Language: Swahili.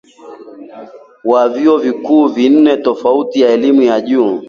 wa vyuo vikuu vine tofauti vya elimu ya juu